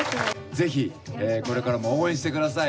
ぜひこれからも応援してください。